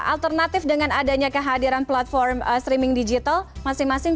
alternatif dengan adanya kehadiran platform streaming digital masing masing